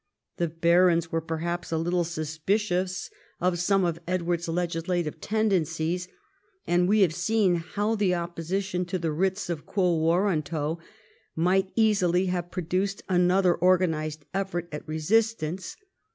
The barons were perhaps a little suspicious of some of Edward's legislative tendencies, and we have seen how the opposition to the ^vrits of q%io warranto might easily have produced another organised effort at resistance.